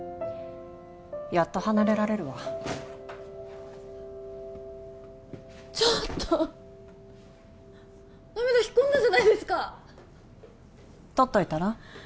やっと離れられるわちょっと涙引っ込んだじゃないですかとっといたら？